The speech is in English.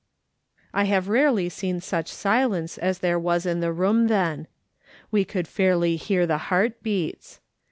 I have rarely seen such silence as there was in that room then. We could fairly hear the heart beats.